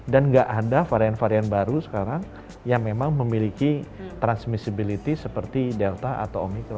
dan enggak ada varian varian baru sekarang yang memang memiliki transmissibility seperti delta atau omikron